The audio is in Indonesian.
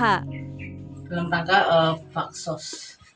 belum rangka faksos